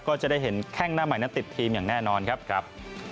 ก็จะได้เห็นแข้งหน้าใหม่นั้นติดทีมอย่างแน่นอนครับ